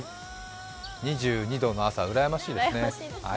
２２度の朝、うらやましいですね。